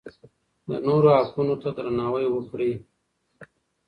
د نورو حقونو ته درناوی وکړئ.